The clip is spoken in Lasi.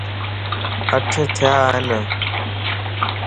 اَٺ ٿيا ان